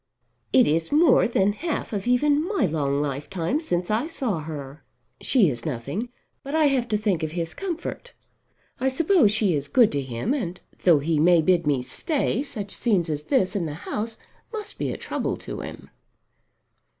It is more than half of even my long lifetime since I saw her. She is nothing; but I have to think of his comfort. I suppose she is good to him; and though he may bid me stay such scenes as this in the house must be a trouble to him."